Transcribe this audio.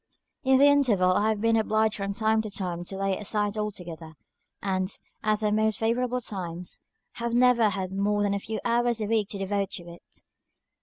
In the interval I have been obliged from time to time to lay it aside altogether; and, at the most favourable times, have never had more than a few hours a week to devote to it.